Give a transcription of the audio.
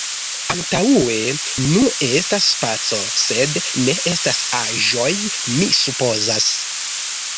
Antaŭe… Nu, estas spaco, sed ne estas aĵoj, mi supozas.